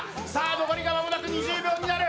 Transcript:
残りが間もなく２０秒になる。